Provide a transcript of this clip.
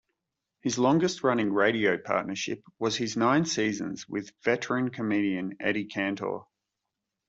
His longest-running radio partnership was his nine seasons with veteran comedian Eddie Cantor.